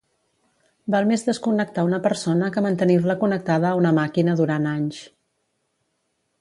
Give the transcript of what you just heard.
Val més desconnectar una persona que mantenir-la connectada a una màquina durant anys.